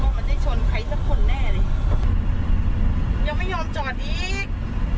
มันได้ชนใครสักคนแน่เลยยังไม่ยอมจอดอีก